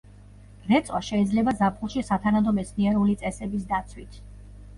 რეწვა შეიძლება ზაფხულში სათანადო მეცნიერული წესების დაცვით.